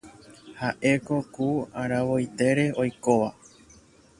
Ha'éko ku aravoitére oikóva.